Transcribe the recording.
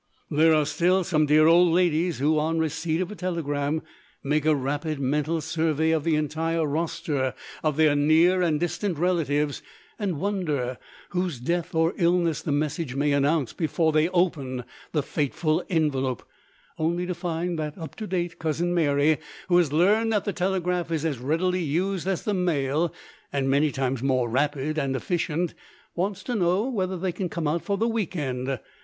There are still some dear old ladies who, on receipt of a telegram, make a rapid mental survey of the entire roster of their near and distant relatives and wonder whose death or illness the message may announce before they open the fateful envelope, only to find that up to date Cousin Mary, who has learned that the telegraph is as readily used as the mail and many times more rapid and efficient, wants to know whether they can come out for the week end.